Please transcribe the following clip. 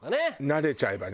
慣れちゃえばね。